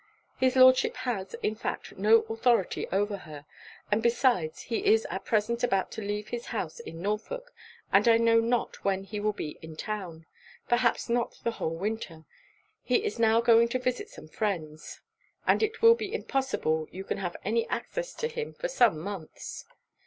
His Lordship has, in fact, no authority over her; and besides he is at present about to leave his house in Norfolk, and I know not when he will be in town; perhaps not the whole winter; he is now going to visit some friends, and it will be impossible you can have any access to him for some months.